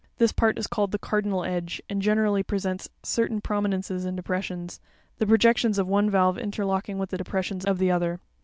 This part is called the "cardinal edge" ( fig. 119), and generally presents certain prominences and depressions ; the projections gf one valve interlocking with the depressions of the other.